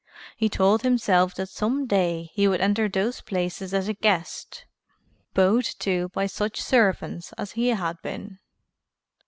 He told himself that some day he would enter those places as a guest, bowed to by such servants as he had been.